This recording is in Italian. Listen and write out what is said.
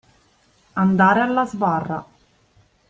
Andare alla sbarra.